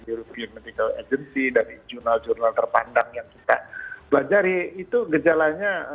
european medical agency dari jurnal jurnal terpandang yang kita belajar itu gejalanya